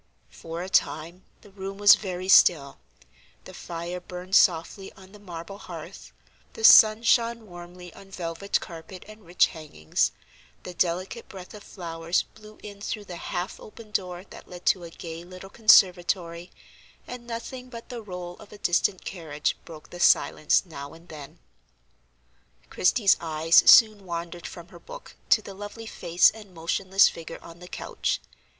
For a time the room was very still; the fire burned softly on the marble hearth, the sun shone warmly on velvet carpet and rich hangings, the delicate breath of flowers blew in through the half open door that led to a gay little conservatory, and nothing but the roll of a distant carriage broke the silence now and then. Christie's eyes soon wandered from her book to the lovely face and motionless figure on the couch.